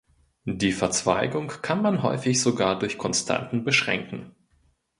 Die Verzweigung kann man häufig sogar durch Konstanten beschränken.